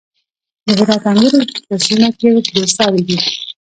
د هرات انګور په سیمه کې بې ساري دي.